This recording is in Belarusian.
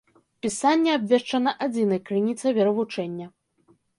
Пісанне абвешчана адзінай крыніцай веравучэння.